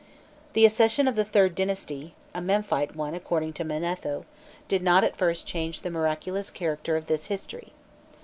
The accession of the IIIrd dynasty, a Memphite one according to Manetho, did not at first change the miraculous character of this history.